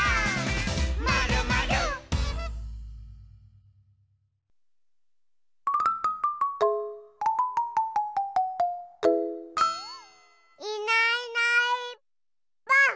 「まるまる」いないいないばあっ！